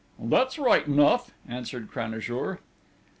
"That's right enough," answered Cranajour.